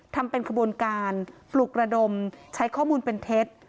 ทำเป็นขบวนการปลุกระดมใช้ข้อมูลเป็นเท็จ